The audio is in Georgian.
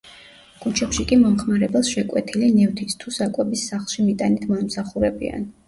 ქუჩებში კი მომხმარებელს შეკვეთილი ნივთის, თუ საკვების სახლში მიტანით მოემსახურებიან.